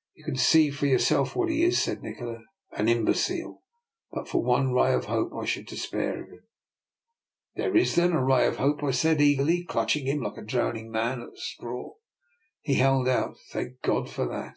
" You can see for yourself what he is," said Nikola: "an imbecile; but for one ray of hope I should despair of him." " There is, then, a ray of hope," I said eagerly, clutching like a drowning man at the straw he held out. " Thank God for that!